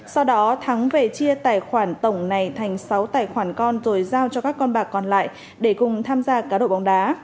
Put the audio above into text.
sau đó thắng về chia tài khoản tổng này thành sáu tài khoản con rồi giao cho các con bạc còn lại để cùng tham gia cá độ bóng đá